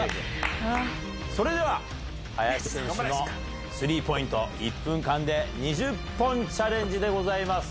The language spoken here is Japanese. それでは林選手のスリーポイント１分間で２０本チャレンジでございます。